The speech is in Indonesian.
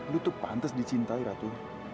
lu tuh pantas dicintai ratu